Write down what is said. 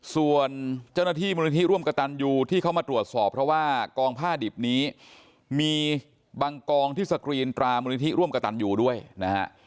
ส่วนเจ้าหน้าที่มูลนิธิร่วมกระตันยูที่เข้ามาตรวจสอบเพราะว่ากองผ้าดิบนี้มีบางกองที่สกรีนตรามูลนิธิร่วมกระตันยูด้วยนะฮะ